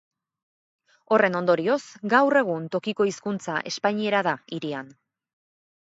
Horren ondorioz, gaur egun tokiko hizkuntza espainiera da hirian.